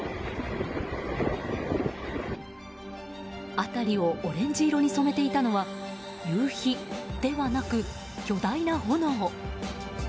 辺りをオレンジ色に染めていたのは夕日ではなく巨大な炎。